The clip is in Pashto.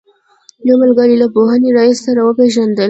یو ملګري له پوهنې رئیس سره پېژندل.